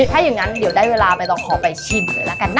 ถ้าอย่างนั้นเดี๋ยวได้เวลาใบตองขอไปชิมเลยละกันนะ